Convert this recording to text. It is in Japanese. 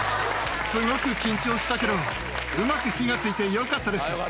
すごく緊張したけど、うまく火がついてよかったです。